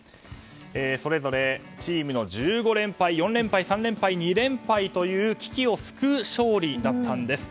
それぞれチームの１５連敗、４連敗、３連敗２連敗という危機を救う勝利だったんです。